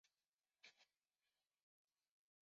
三边分区党政军退到定边南山。